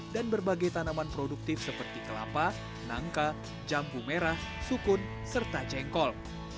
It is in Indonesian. dan berbagai tanaman produktif seperti kelapa nangka jambu merah sukun serta jengkol